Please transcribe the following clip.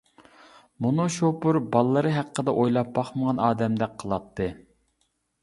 مۇنۇ شوپۇر بالىلىرى ھەققىدە ئويلاپ باقمىغان ئادەمدەك قىلاتتى.